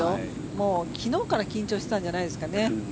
もう昨日から緊張していたんじゃないですかね。